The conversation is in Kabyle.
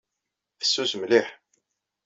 Fessus mliḥ.